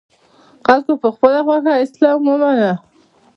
خلکو په خپله خوښه اسلام ومانه